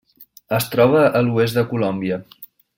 Es troba a l'oest de Colòmbia.